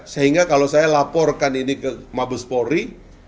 sehingga kalau saya laporkan ini ke mabespori